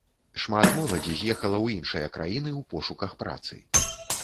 Шмат моладзі з'ехала ў іншыя краіны ў пошуках працы.